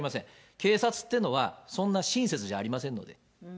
警察っていうのは、そんな親切じゃありませんので。